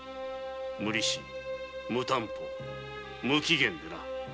無利子無担保無期限でな！